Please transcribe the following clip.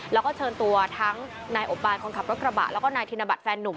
แล้วก็เชิญตัวทั้งนายอบบานคนขับรถกระบะแล้วก็นายธินบัตรแฟนนุ่ม